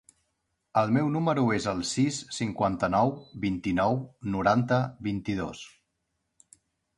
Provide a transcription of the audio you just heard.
El meu número es el sis, cinquanta-nou, vint-i-nou, noranta, vint-i-dos.